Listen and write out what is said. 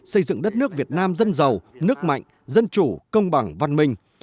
xây dựng đất nước việt nam dân giàu nước mạnh dân chủ công bằng văn minh